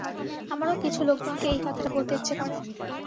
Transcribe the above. আমারও কিছু লোকজনকে এই কথাটা বলতে ইচ্ছে করে।